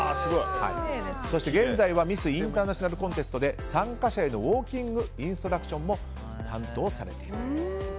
そして現在はミスインターナショナルコンテストで参加者へのウォーキングインストラクション担当されていると。